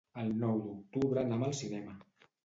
El nou d'octubre anam al cinema.